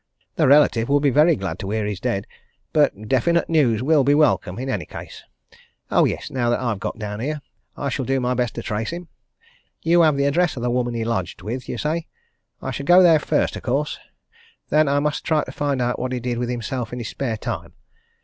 The relative would be very glad to hear he is dead! But definite news will be welcome, in any case. Oh, yes, now that I've got down here, I shall do my best to trace him. You have the address of the woman he lodged with, you say. I shall go there first, of course. Then I must try to find out what he did with himself in his spare time.